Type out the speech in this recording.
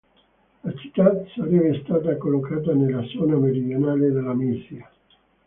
La città sarebbe stata collocata nella zona meridionale della Misia.